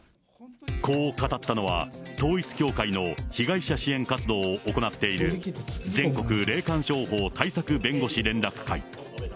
こう語ったのは、統一教会の被害者支援活動を行っている、全国霊感商法対策弁護士連絡会。